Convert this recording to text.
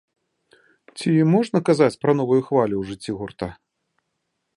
Ці можна казаць пра новую хвалю ў жыцці гурта?